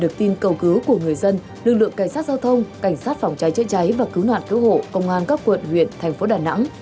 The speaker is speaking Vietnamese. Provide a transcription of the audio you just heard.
cảnh sát phòng cháy cháy cháy và cứu nạn cứu hộ công an các quận huyện thành phố đà nẵng